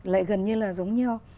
lại gần như là giống nhau